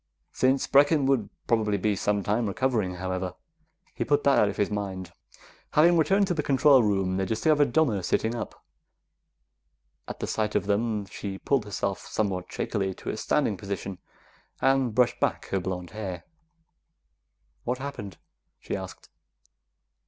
Since Brecken would probably be some time recovering, however, he put that out of his mind. Having returned to the control room, they discovered Donna sitting up. At the sight of them, she pulled herself somewhat shakily to a standing position, and brushed back her blonde hair. "What happened?" she asked.